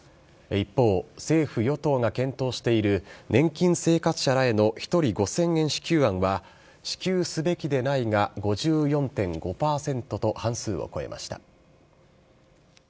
一方、政府・与党が検討している年金生活者らへの１人５０００円支給案は、支給すべきでないが５４．５％と半数を超えました。